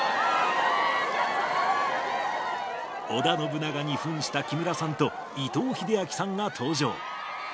織田信長にふんした木村さんと伊藤英明さんが登場。